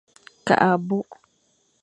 Kakh abôkh.